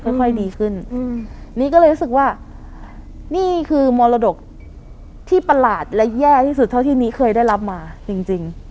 ค่อยดีขึ้นนี้ก็เลยรู้สึกว่านี่คือมรดกที่ประหลาดและแย่ที่สุดเท่าที่นี้เคยได้รับมาจริง